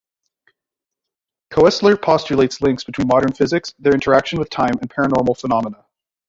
Koestler postulates links between modern physics, their interaction with time and paranormal phenomena.